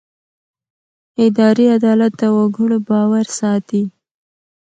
اداري عدالت د وګړو باور ساتي.